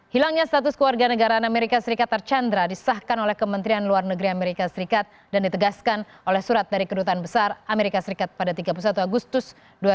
hilangnya status kewarga negara as archandra disahkan oleh kementerian luar negeri as dan ditegaskan oleh surat dari kedutaan besar as pada tiga puluh satu agustus dua ribu enam belas